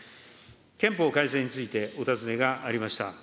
憲法改正についてお尋ねがありました。